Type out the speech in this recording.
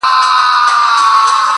• جنگ پر پوستين دئ -عبدالباري جهاني-